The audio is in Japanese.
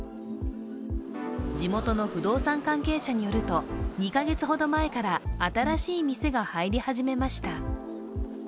地元の不動産関係者によると２か月ほど前から新しい店が入り始めました。